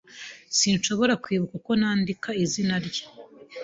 Sinshobora kwibuka uko nandika izina rye.